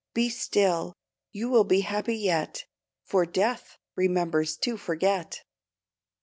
Be still, you will be happy yet, For death remembers to forget!